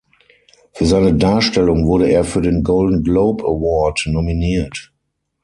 Für seine Darstellung wurde er für den Golden Globe Award nominiert.